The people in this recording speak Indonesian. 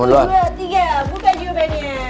pukul dua tiga buka jawabannya